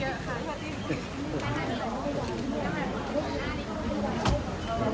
อยากท่านท่านนายอยกอยากอยากจะเปลี่ยนฮะให้ท่านรอไปใน